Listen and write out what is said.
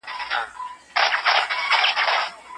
که میندې مډال ولري نو افتخار به نه وي کم.